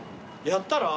やったら？